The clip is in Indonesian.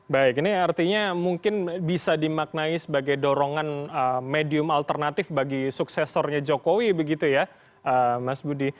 baik ini artinya mungkin bisa dimaknai sebagai dorongan medium alternatif bagi suksesornya jokowi begitu ya mas budi